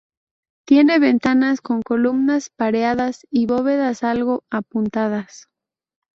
Tiene ventanas con columnas pareadas y bóvedas algo apuntadas.